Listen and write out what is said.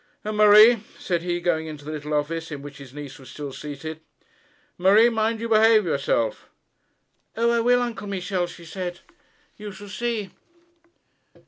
'And, Marie,' said he, going into the little office in which his niece was still seated, 'Marie, mind you behave yourself.' 'O, I will, Uncle Michel,' she said. 'You shall see.'